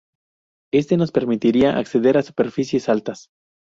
Este nos permitirá acceder a superficies altas.